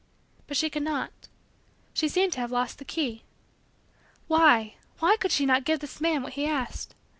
But she could not. She seemed to have lost the key. Why why could she not give this man what he asked?